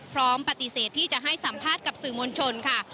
พร้อมปฏิเสธที่จะให้สัมภาษณ์กับสื่อมวลชนค่ะ